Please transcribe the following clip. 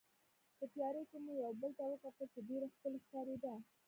په تیارې کې مو یو بل ته وکتل چې ډېره ښکلې ښکارېده.